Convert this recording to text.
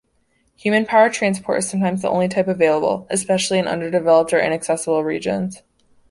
Human-powered transport is sometimes the only type available, especially in underdeveloped or inaccessible regions.